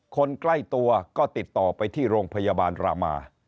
คนใกล้ตัวก็ติดต่อไปที่โรงพยาบาลรามา